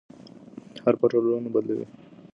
حرفه ټولنه بدلوي.